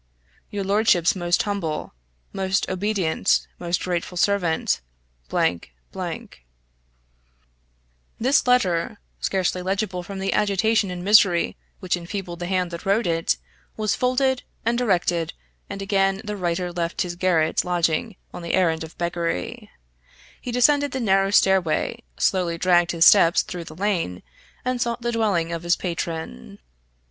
"Your lordship's most humble, "Most obedient, most grateful servant, " This letter, scarcely legible from the agitation and misery which enfeebled the hand that wrote it, was folded, and directed, and again the writer left his garret lodging on the errand of beggary; he descended the narrow stairway, slowly dragged his steps through the lane, and sought the dwelling of his patron.